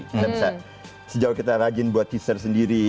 kita bisa sejauh kita rajin buat teaser sendiri